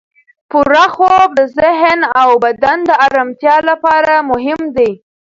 پوره خوب د ذهن او بدن د ارامتیا لپاره مهم دی.